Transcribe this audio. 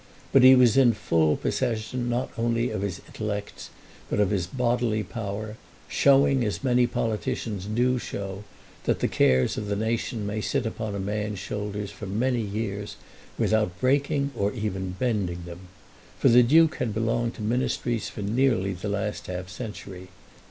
But he was in full possession not only of his intellects but of his bodily power, showing, as many politicians do show, that the cares of the nation may sit upon a man's shoulders for many years without breaking or even bending them. For the Duke had belonged to ministries for nearly the last half century.